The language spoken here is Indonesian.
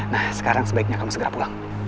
nah sekarang sebaiknya kamu segera pulang